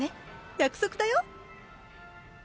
約束だよ！」